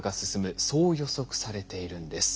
そう予測されているんです。